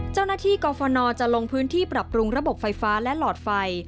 เจ้าหน้าที่กรฟนจะลงพื้นที่ปรับปรุงระบบไฟฟ้าและหลอดไฟ